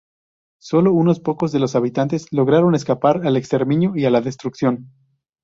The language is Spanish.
Solo unos pocos de los habitantes lograron escapar al exterminio y a la destrucción.